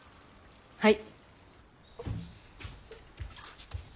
はい。